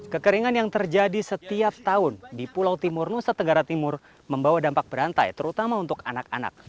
kekeringan yang terjadi setiap tahun di pulau timur nusa tenggara timur membawa dampak berantai terutama untuk anak anak